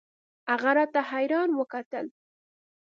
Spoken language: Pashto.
هغه راته حيران وکتل.